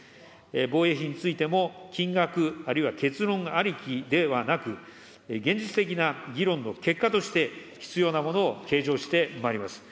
防衛費についても、金額、あるいは結論ありきではなく、現実的な議論の結果として、必要なものを計上してまいります。